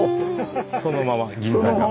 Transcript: そのまま銀山川。